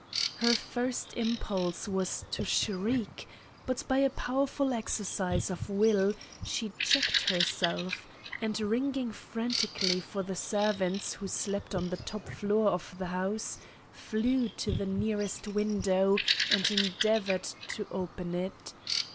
Her first impulse was to shriek, but, by a powerful exercise of will, she checked herself, and, ringing frantically for the servants who slept on the top floor of the house, flew to the nearest window and endeavored to open it.